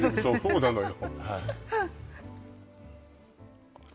そうなのよ